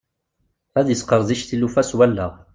Ad yesqerdic tilufa s wallaɣ.